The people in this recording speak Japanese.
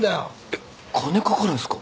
えっ金掛かるんすか。